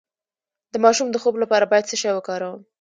د ماشوم د خوب لپاره باید څه شی وکاروم؟